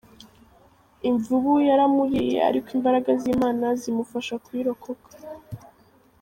Imvubu yaramuriye ariko imbaraga z'Imana zimufasha kuyirikoka.